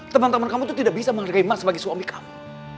teman teman kamu tuh tidak bisa menghargai mas bagi suami kamu